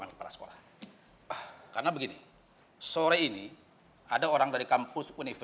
apakah gue sama dia jodoh